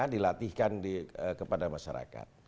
dilatihkan kepada masyarakat